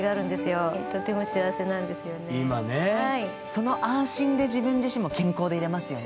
その安心で自分自身も健康でいれますよね。